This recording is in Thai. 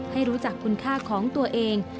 ให้รู้จักคุณค่าของตัวเอง